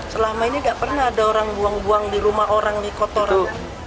selama ini gak pernah ada orang buang buang di rumah orang di kotoran